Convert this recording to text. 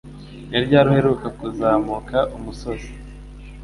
Ni ryari uheruka kuzamuka umusozi?